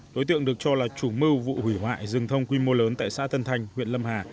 đối tượng được cho là chủ mưu vụ hủy hoại rừng thông quy mô lớn tại xã tân thanh huyện lâm hà